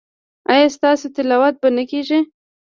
ایا ستاسو تلاوت به نه کیږي؟